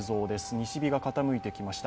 西日が傾いてきました。